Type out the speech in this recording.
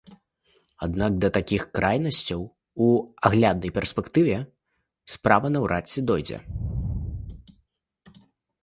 Аднак да такіх крайнасцяў у агляднай перспектыве справа наўрад ці дойдзе.